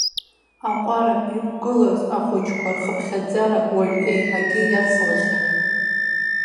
Аҟәара иқәгылаз ахәыҷқәа рхыԥхьаӡара уажә еиҳагьы иацлахьан.